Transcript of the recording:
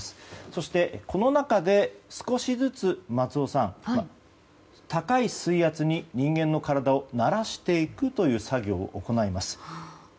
そして、この中で少しずつ松尾さん、高い水圧に人間の体を慣らしていくという作業を行います。